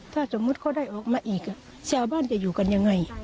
ถ้าสมมุติเขาได้ออกมาอีกชาวบ้านจะอยู่กันยังไง